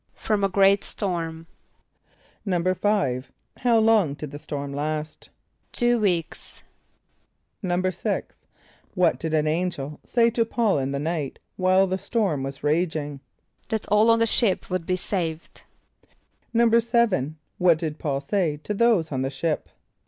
=From a great storm.= =5.= How long did the storm last? =Two weeks.= =6.= What did an angel say to P[a:]ul in the night while the storm was raging? =That all on the ship would be saved.= =7.= What did P[a:]ul say to those on the ship?